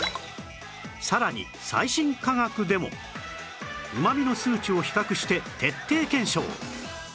さらに最新科学でも旨味の数値を比較して徹底検証